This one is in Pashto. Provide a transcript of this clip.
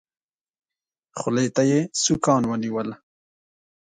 خولې ته يې سوکان ونيول.